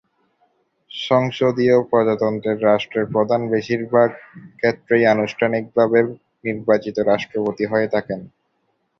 সংসদীয় প্রজাতন্ত্রের রাষ্ট্রের প্রধান বেশিরভাগ ক্ষেত্রেই আনুষ্ঠানিকভাবে নির্বাচিত রাষ্ট্রপতি হয়ে থাকেন।